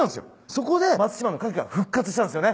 そこで松島のカキが復活したんすよね。